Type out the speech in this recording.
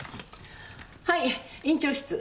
はい院長室。